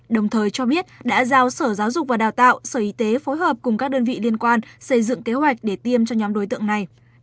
đồng thời cho biết đã giao sở giáo dục và đào tạo sở y tế phối hợp cùng các đơn vị liên quan xây dựng kế hoạch để tiêm cho nhóm đối tượng này